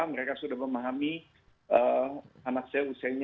mereka sudah memahami